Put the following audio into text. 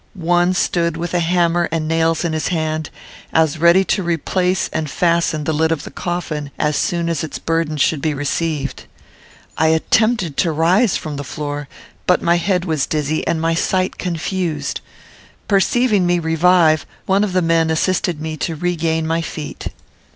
One stood with hammer and nails in his hand, as ready to replace and fasten the lid of the coffin as soon as its burden should be received. I attempted to rise from the floor, but my head was dizzy and my sight confused. Perceiving me revive, one of the men assisted me to regain my feet.